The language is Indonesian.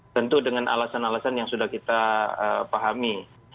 tentu dengan alasan alasan yang sudah kita pahami